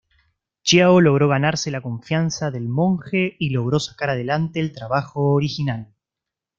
Xiao logró ganarse la confianza del monje y logró sacar adelante el trabajo original.